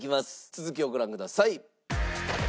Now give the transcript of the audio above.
続きをご覧ください。